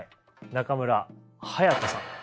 中村隼人さん。